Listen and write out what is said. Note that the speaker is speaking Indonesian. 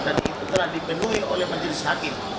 dan itu telah dipenuhi oleh majelis hakim